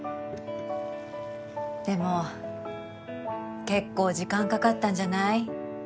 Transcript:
でも結構時間かかったんじゃない？